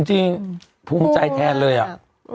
จริงภูมิใจแทนเลยอ่ะ